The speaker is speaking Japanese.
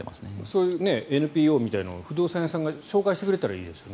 そういうＮＰＯみたいなのを不動産屋さんが紹介してくれたらいいですけど。